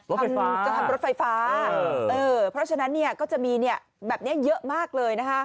กรถไฟฟ้าเพราะฉะนั้นก็จะมีแบบนี้เยอะมากเลยนะคะ